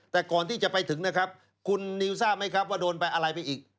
แต่ก่อนที่จะไปถึงนะครับคุณนิวทราบไหมครับว่าโดนไปอะไรไปอีก